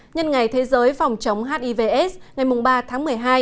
nhân ngày thế giới phòng chống hiv aids ngày ba tháng một mươi hai